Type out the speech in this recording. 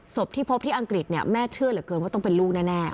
ศพที่พบที่อังกฤษเนี่ยแม่เชื่อเหลือเกินว่าต้องเป็นลูกแน่